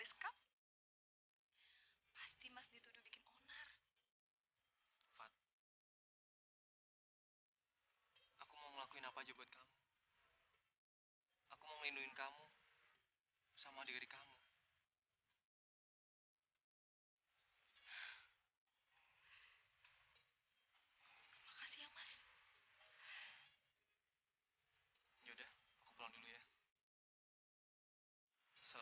sampai jumpa di video selanjutnya